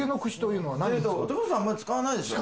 男の人、あんまり使わないでしょ。